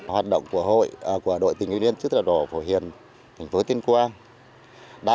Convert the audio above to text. hoạt động của hội chữ thập đỏ phổ hiền tỉnh tuyên quang